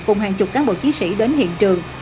cùng hàng chục cán bộ chiến sĩ đến hiện trường